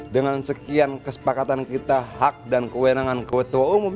dengan sekian kesepakatan kita hak dan kewenangan ketua umum